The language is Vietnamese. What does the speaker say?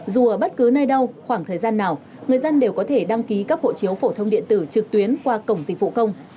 dù ở bất cứ nơi đâu khoảng thời gian nào người dân đều có thể đăng ký cấp hộ chiếu phổ thông điện tử trực tuyến qua cổng dịch vụ công